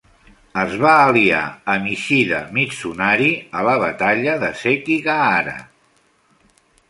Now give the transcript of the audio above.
Es va aliar amb Ishida Mitsunari a la batalla de Sekigahara.